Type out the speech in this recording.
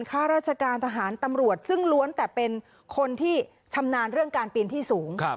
ข้าราชการทหารตำรวจซึ่งล้วนแต่เป็นคนที่ชำนาญเรื่องการปีนที่สูง